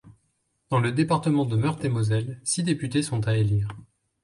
Dans le département de Meurthe-et-Moselle, six députés sont à élire.